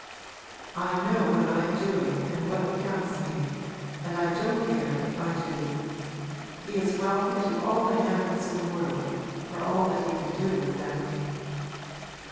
I know what I am doing and what becomes me, and I don't care if I do. He is welcome to all the handles in the world, for all that he can do with them!'